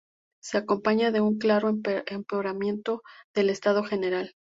Se acompaña de un claro empeoramiento del estado general.